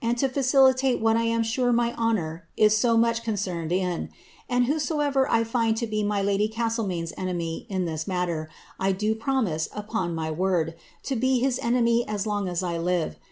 to facilitate what I am sure mj honour is so much concerned in : >ver I find to be my lady Castlemaino't enemy in tliis matter, I do on my word, to be his enemy as long as I live.